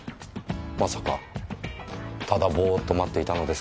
まさかただぼーっと待っていたのですか？